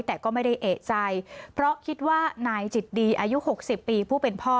แต่ก็ไม่ได้เอกใจเพราะคิดว่านายจิตดีอายุ๖๐ปีผู้เป็นพ่อ